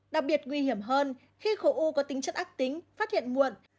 đặc biệt nguy hiểm hơn khi khối u có tính chất ác tính phát hiện muộn